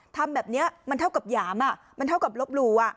ทำแบบนี้มันเท่ากับหยามมันเท่ากับลบหลู่